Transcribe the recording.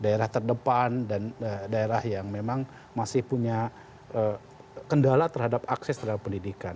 daerah terdepan dan daerah yang memang masih punya kendala terhadap akses terhadap pendidikan